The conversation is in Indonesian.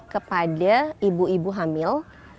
kepada ibu ibu hamil